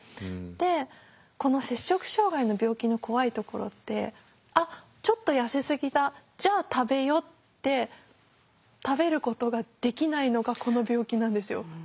でこの摂食障害の病気の怖いところってあっちょっと痩せすぎだじゃあ食べよって食べることができないのがこの病気なんですよ。